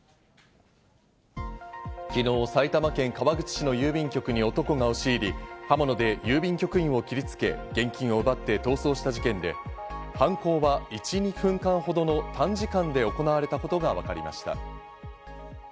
昨日、埼玉県川口市の郵便局に男が押し入り、刃物で郵便局員を切りつけ、現金を奪って逃走した事件で、犯行は１２分間ほどの短時間で行われたことがわかりました。